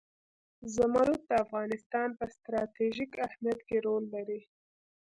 زمرد د افغانستان په ستراتیژیک اهمیت کې رول لري.